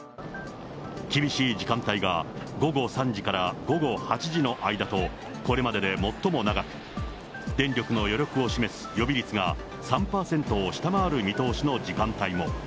厳しい時間帯が午後３時から午後８時の間と、これまでで最も長く、電力の余力を示す予備率が３％を下回る見通しの時間帯も。